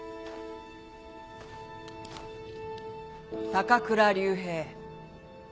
高倉龍平。